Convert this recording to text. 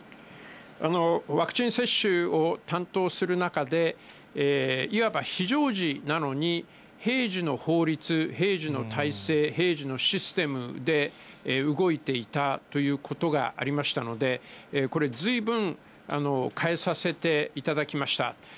ワクチン接種を担当する中で、いわば非常時なのに、平時の法律、平時の体制、平時のシステムで動いていたということがありましたので、これ、ずいぶん変えさせていただきました。